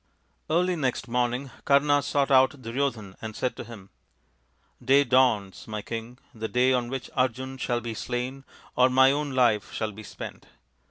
Early next morning Kama sought out Duryodhan and said to him, " Day dawns, my King, the day on which Arjun shall be slain, or my own life shall be spent.